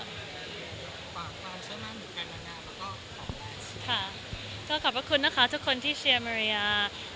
ค่ะก็ขอบพระคุณนะคะทุกคนที่เชียร์มายัง